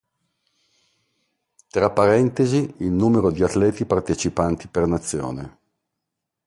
Tra parentesi, il numero di atleti partecipanti per nazione.